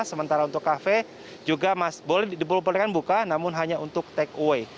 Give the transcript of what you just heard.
sementara untuk kafe juga diperbolehkan buka namun hanya untuk take away